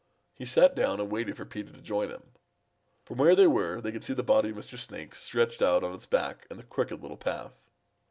He sat down and waited for Peter to join him. From where they were they could see the body of Mr. Snake stretched out on its back in the Crooked Little Path.